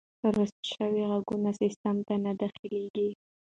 رد شوي ږغونه سیسټم ته نه داخلیږي.